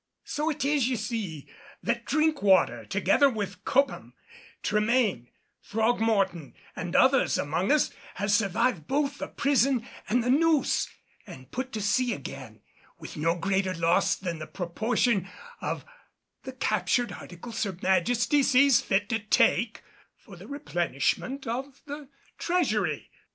"So it is, ye see, that Drinkwater, together with Cobham, Tremayne, Throgmorton, and others among us have survived both the prison and the noose and put to sea again with no greater loss than the proportion of the captured articles Her Majesty sees fit to take for the replenishment of the Treasury.